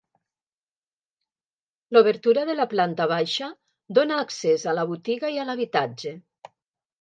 L'obertura de la planta baixa dóna accés a la botiga i a l'habitatge.